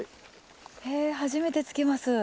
へえ初めて付けます。